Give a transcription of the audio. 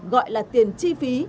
gọi là tiền chi phí